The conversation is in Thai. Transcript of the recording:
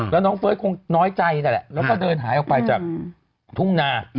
แล้วน้องเฟิร์สคงน้อยใจนั่นแหละแล้วก็เดินหายออกไปจากทุ่งนา